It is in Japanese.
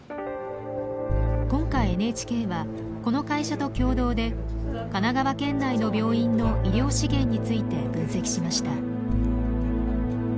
今回ＮＨＫはこの会社と共同で神奈川県内の病院の医療資源について分析しました。